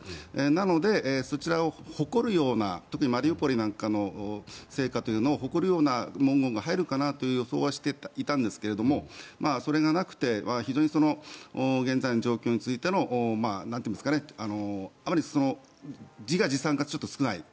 なので、そちらを誇るような特にマリウポリなんかの成果というのを誇るような文言が入るかなという予想はしていたんですがそれがなくて非常に現在の状況についての自画自賛するのが少ない。